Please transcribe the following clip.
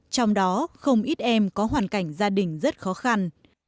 trong đó không ít em có hoàn cảnh gia đình rất khó khăn